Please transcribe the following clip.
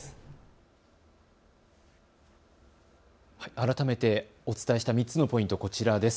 改めて、お伝えした３つのポイント、こちらです。